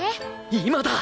今だ！